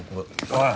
おい！